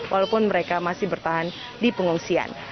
walaupun mereka masih bertahan di pengungsian